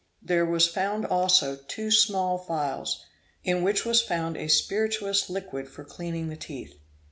There was found also two small phials, in which was a spirituous liquid for cleaning the teeth.